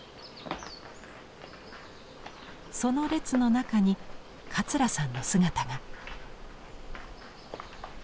その列の中に桂さんの姿が。